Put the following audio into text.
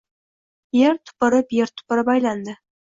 Yer tupurib-yer tupurib aylandi.